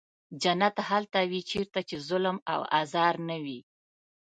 جنت هلته وي چېرته چې ظلم او آزار نه وي.